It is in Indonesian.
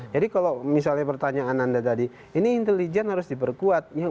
jadi kalau misalnya pertanyaan anda tadi ini intelijen harus diperkuat